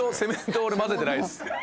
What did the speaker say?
俺混ぜてないです。